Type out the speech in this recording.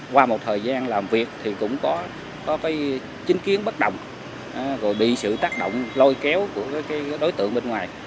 qua một thời gian làm việc thì cũng có cái chính kiến bất động rồi bị sự tác động lôi kéo của đối tượng bên ngoài